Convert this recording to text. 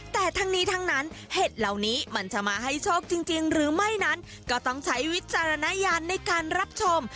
แต่ทั้งนี้ทั้งนั้นเห็ดเหล่านี้มันจะมาให้โชคจริงหรือไม่นั้นก็ต้องใช้วิจารณญาณในการรับชม